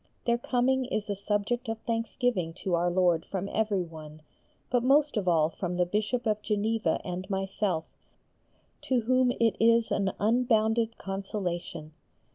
Their coming is a subject of thanksgiving to Our Lord from everyone, but most of all from the Bishop of Geneva and myself, to whom it is an unbounded consolation.